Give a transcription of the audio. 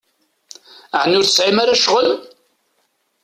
Ɛni ur tesɛim ara ccɣel?